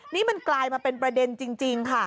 นี่มันกลายมาเป็นประเด็นจริงค่ะ